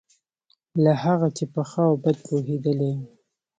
له هغه چې په ښه او بد پوهېدلی یم.